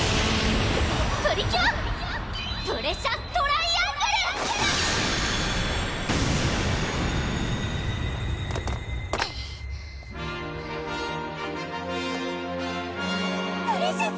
・プリキュア・プレシャス・トライアングル‼・プレシャス！